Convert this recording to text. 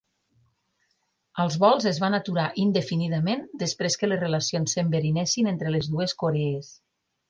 Els vols es van aturar indefinidament després que les relacions s'enverinessin entre les dues Corees.